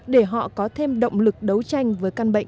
để họ có thêm động lực đấu tranh với căn bệnh